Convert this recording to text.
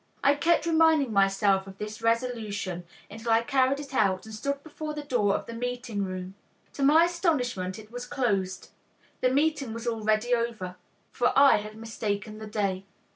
I kept reminding myself of this resolution until I carried it out and stood before the door of the meeting room. To my astonishment, it was closed, the meeting was already over; for I had mistaken the day.